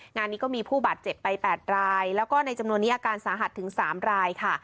งานนี้ก็มีผู้บาดเจ็บไป๘รายแล้วก็ในจำนวนนี้อาการสาหัสถึง๓รายค่ะ